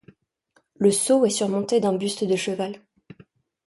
Le sceau est surmonté d'un buste de cheval.